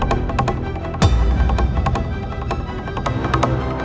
suara apa itu